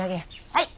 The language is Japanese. はい。